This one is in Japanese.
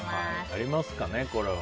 ありますかね、これは。